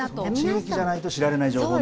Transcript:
地域じゃないと知れない情報ね。